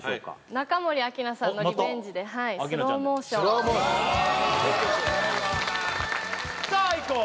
中森明菜さんのリベンジであっまたはい「スローモーション」を・「スローモーション」さあいこう！